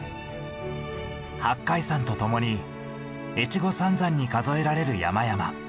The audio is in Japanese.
八海山とともに越後三山に数えられる山々。